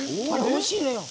おいしいのよ。